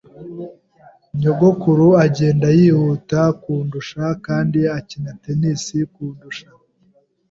Nyogokuru agenda yihuta kundusha, kandi akina tennis kundusha.